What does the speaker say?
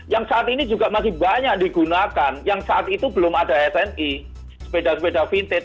yang saat ini juga masih banyak digunakan yang saat itu belum ada sni sepeda sepeda vintage